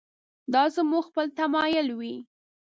دا زموږ خپل تمایل وي.